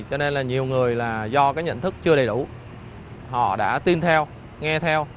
cho nên nhiều người do nhận thức chưa đầy đủ họ đã tin theo nghe theo